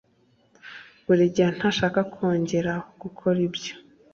buregeya ntashaka kongera gukora ibyo.